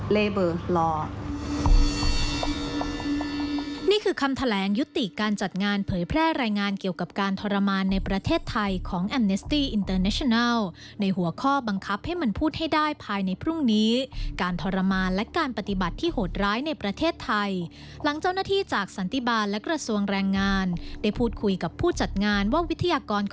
และถูกดำเนินตามกฎหมายตามกฎหมายธรรมชาติไทย